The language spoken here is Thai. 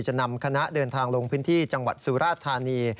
จะนำคณะเดินทางลงพื้นที่จังหวัดสุราธานี